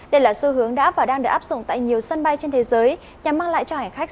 đây là xu hướng đã và đang được áp dụng tại nhiều sân bay trên thế giới nhằm mang lại cho hành khách